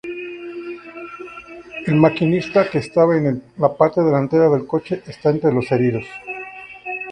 El maquinista, que estaba en la parte delantera del coche, está entre los heridos.